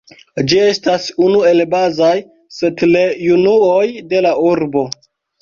Ĝi estas unu el bazaj setlejunuoj de la urbo.